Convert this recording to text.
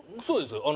そうです。